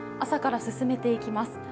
朝から進めていきます。